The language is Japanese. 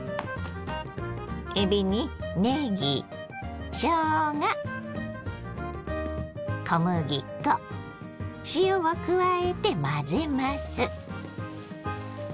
えびにねぎしょうが小麦粉塩を加えて混ぜます。